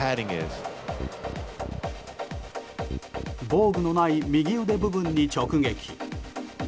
防具のない右腕部分に直撃。